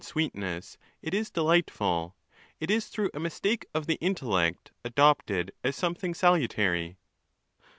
sweetness it is delightful, it is through a mistake of the intellect adopted as something salutary.